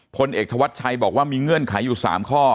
พลเอกธวัชชัยบอกว่ามีเงื่อนไขอยู่๓ข้อ